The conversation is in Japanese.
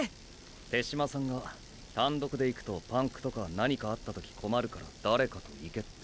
手嶋さんが単独で行くとパンクとか何かあった時困るから誰かと行けって。